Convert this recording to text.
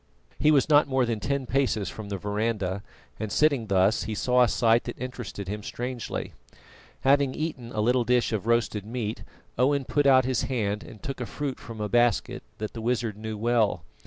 He was not more than ten paces from the verandah, and sitting thus he saw a sight that interested him strangely. Having eaten a little of a dish of roasted meat, Owen put out his hand and took a fruit from a basket that the wizard knew well.